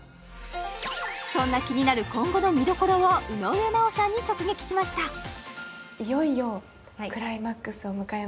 そんな気になる今後の見どころを井上真央さんに直撃しましたえ